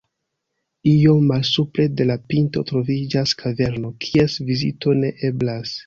Iom malsupre de la pinto troviĝas kaverno, kies vizito ne eblas.